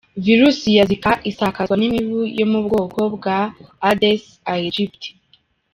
Virusi ya Zika isakazwa n’imibu yo mu bwoko bwa Aedes aegypti.